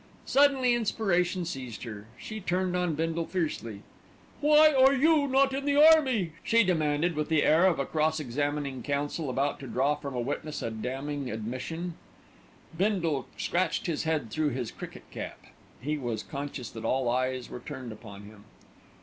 Suddenly inspiration seized her. She turned on Bindle fiercely. "Why are you not in the army?" she demanded, with the air of a cross examining counsel about to draw from a witness a damning admission. Bindle scratched his head through his cricket cap. He was conscious that all eyes were turned upon him.